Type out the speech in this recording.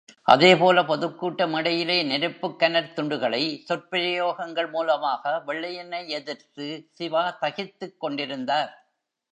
அதே போல, பொதுக் கூட்ட மேடையிலே நெருப்புக் கனற்துண்டுகளை சொற்பிரயோகங்கள் மூலமாக வெள்ளையனை எதிர்த்து சிவா தகித்துக் கொண்டிருந்தார்.